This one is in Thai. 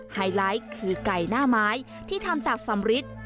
ไฮไลท์คือไก่หน้าไม้ที่ทำจากสำริท